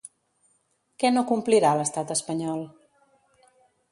Què no complirà l'estat espanyol?